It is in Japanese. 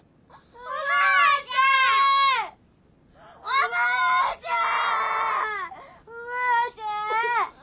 おばあちゃん！